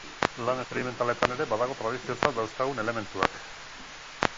Lan esperimentaletan ere badago tradiziotzat dauzkagun elementuak.